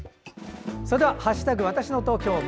それでは「＃わたしの東京」。